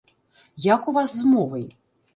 Як у вас з мовай?